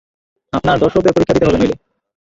আপনার দর্শকদের পরীক্ষা দিতে হবে নইলে।